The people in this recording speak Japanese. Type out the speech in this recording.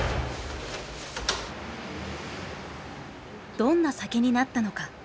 どんな酒になったのか。